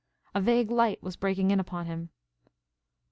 A vague light was breaking in upon him.